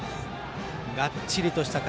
がっちりとした体。